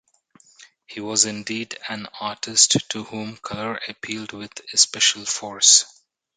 He was indeed an artist to whom color appealed with especial force.